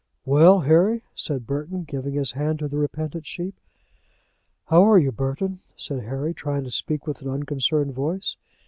"Well, Harry?" said Burton, giving his hand to the repentant sheep. "How are you, Burton?" said Harry, trying to speak with an unconcerned voice.